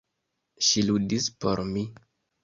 Ŝi ludis por mi!